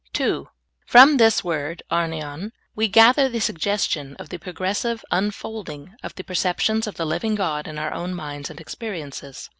II. From this word ar?ii07i we gather the suggestion of the progressive unfolding of the perceptions of the living God in our own minds and experiences.